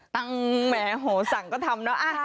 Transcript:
แหมโหสั่งก็ทำเนอะ